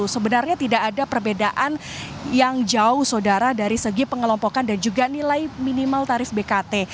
sebenarnya tidak ada perbedaan yang jauh saudara dari segi pengelompokan dan juga nilai minimal tarif bkt